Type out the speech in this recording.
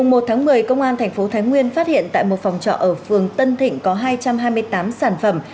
ngày một một mươi công an tp thái nguyên phát hiện tại một phòng trọ ở phường tân thịnh có hai trăm hai mươi tám sản phẩm